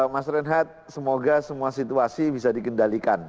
mas renhat semoga semua situasi bisa dikendalikan